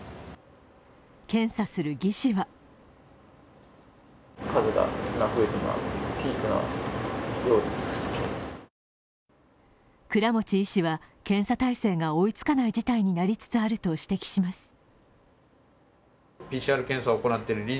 検査する技師は倉持医師は検査体制が追いつかない事態になりつつあると指摘します。